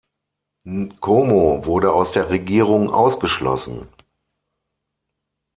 Nkomo wurde aus der Regierung ausgeschlossen.